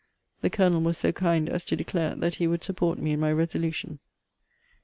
The Colonel was so kind as to declare that he would support me in my resolution.